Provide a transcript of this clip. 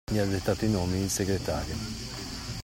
Mi ha dettato i nomi il segretario.